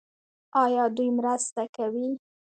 آیا دوی مرسته کوي؟